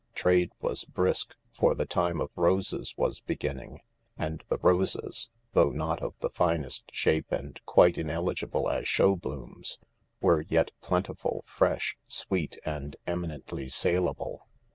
Trade was brisk, for the time of roses was beginning, and the roses, though not of the finest shape and quite in eligible as show blooms, were yet plentiful, fresh, sweet, and eminently saleable.